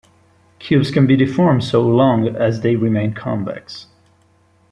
Cubes can be deformed so long as they remain convex.